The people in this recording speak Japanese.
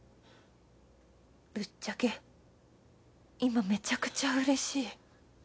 ぶっちゃけ今めちゃくちゃうれしい。